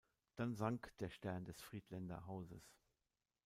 Dann sank der Stern des Friedländer Hauses.